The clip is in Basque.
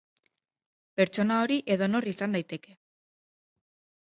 Pertsona hori edonor izan daiteke.